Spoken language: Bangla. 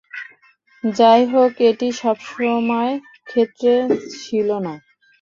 যাইহোক, এটি সবসময় ক্ষেত্রে ছিল না।